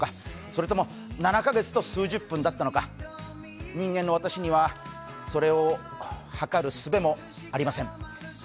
それとも７カ月と数十分だったのか人間の私にはそれをはかるすべもありません。